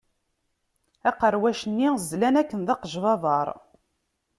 Aqerwac-nni zlan, akken d aqejbabbaṛ.